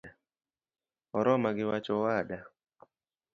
Oroma giwach owada